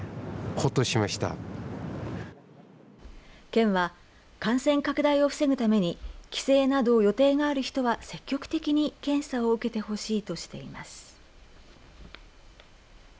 県は感染拡大を防ぐために帰省など予定がある人は積極的に検査を受けてほしいとしています。